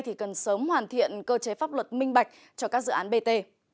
thì cần sớm hoàn thiện cơ chế pháp luật minh bạch cho các dự án bt